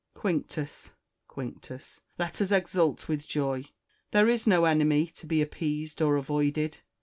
Quinctus ! Quinctus ! let us exult with joy : there is no enemy to be appeased or avoided.